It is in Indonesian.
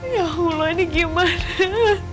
ya allah ini gimana